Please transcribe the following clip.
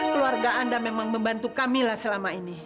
keluarga kamu memang membantu kamila selama ini